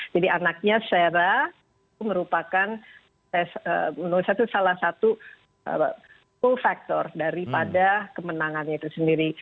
jadi anaknya sarah merupakan salah satu full factor daripada kemenangan itu sendiri